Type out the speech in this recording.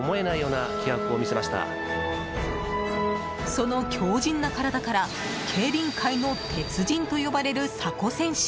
その強靱な体から競輪界の鉄人と呼ばれる佐古選手。